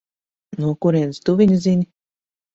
No kurienes tu viņu zini?